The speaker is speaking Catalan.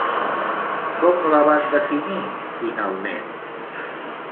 Com la van definir finalment?